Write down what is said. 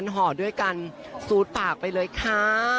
ห่อด้วยกันซูดปากไปเลยค่ะ